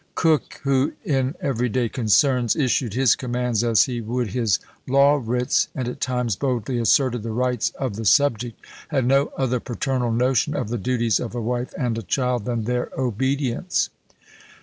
Coke, who, in every day concerns, issued his commands as he would his law writs, and at times boldly asserted the rights of the subject, had no other paternal notion of the duties of a wife and a child than their obedience!